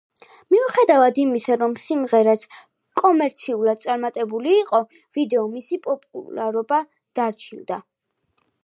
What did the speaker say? მიუხედავად იმისა, რომ სიმღერაც კომერციულად წარმატებული იყო, ვიდეო მისი პოპულარობა დაჩრდილა.